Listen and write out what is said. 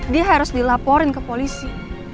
dia harus dilaporin ke polisi